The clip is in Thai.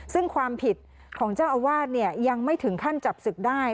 ซึ่งความผิดของเจ้าอาวาสเนี่ยยังไม่ถึงขั้นจับศึกได้